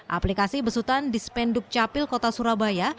aplikasi besutan di spenduk capil kota surabaya